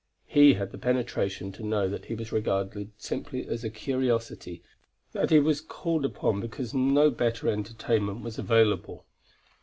He had the penetration to know that he was regarded simply as a curiosity, that he was called on because no better entertainment was available.